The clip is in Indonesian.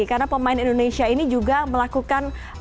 karena pemain indonesia ini juga melakukan